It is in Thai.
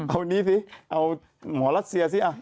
เอานี้สิเอาหมอรัสเซียสิ